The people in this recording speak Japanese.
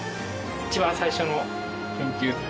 一番最初の研究。